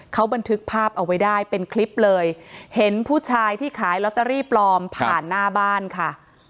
เขาบันทึกภาพเอาไว้ได้เป็นคลิปเลยเห็นผู้ชายที่ขายลอตเตอรี่ปลอมผ่านหน้าบ้านค่ะ